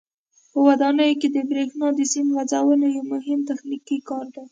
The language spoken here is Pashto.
په ودانیو کې د برېښنا د سیم غځونه یو مهم تخنیکي کار دی.